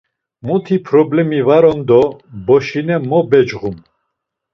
Muti problemi var on do boşine mo becğum.